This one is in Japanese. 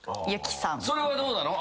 それはどうなの？